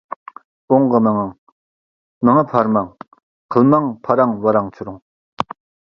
ئوڭغا مېڭىڭ، مېڭىپ ھارماڭ، قىلماڭ پاراڭ ۋاراڭ-چۇرۇڭ.